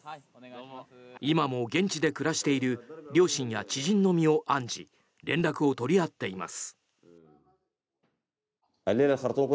今も現地で暮らしている両親や知人の身を案じ連絡を取り合っています。